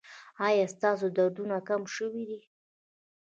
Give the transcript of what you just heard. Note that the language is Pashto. ایا ستاسو دردونه کم شوي دي؟